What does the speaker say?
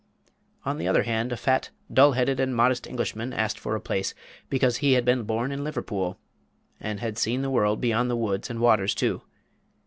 On the other hand, a fat, dull headed, and modest Englishman asked for a place, because he had been born in Liverpool! and had seen the world beyond the woods and waters, too!